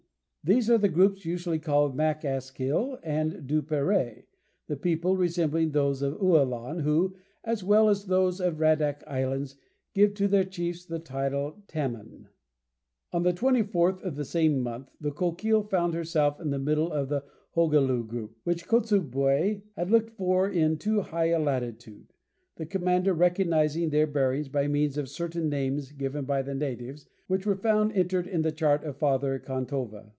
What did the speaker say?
These are the groups usually called Mac Askyll and Duperrey, the people resembling those of Ualan, who, as well as those of the Radak Islands, give to their chiefs the title of "Tamon." On the 24th of the same month the Coquille found herself in the middle of the Hogoleu group, which Kotzebue had looked for in too high a latitude, the commander recognizing their bearings by means of certain names given by the natives, which were found entered in the chart of Father Cantova.